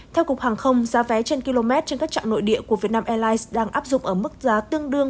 theo cục hàng không giá vé trên km trên các trạm nội địa của vietnam airlines đang áp dụng ở mức giá tương đương